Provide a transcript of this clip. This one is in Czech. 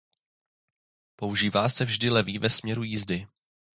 Používá se vždy levý ve směru jízdy.